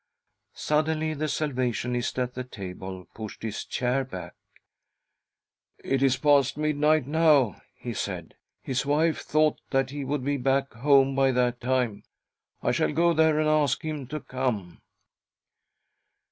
Suddenly the Salvationist at the table pushed his chair back. " It is past midnight now," he ' 70 THY SOUL SHALL BEAR WITNESS ! said; "his wife thought that he would be back home by that time. I shall go there and ask him to come."